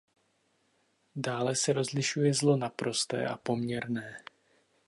Dále se rozlišuje zlo "naprosté" a "poměrné".